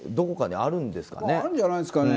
あるんじゃないんですかね。